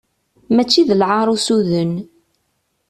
Mačči d lɛar usuden.